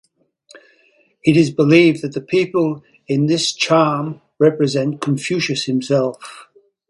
It is believed that the people in this charm represent Confucius himself.